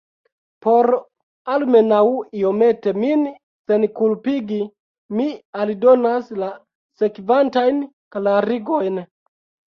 Por almenaŭ iomete min senkulpigi, mi aldonas la sekvantajn klarigojn.